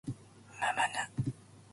むむぬ